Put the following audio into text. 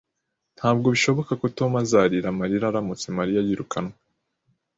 Ntabwo bishoboka ko Tom azarira amarira aramutse Mariya yirukanwe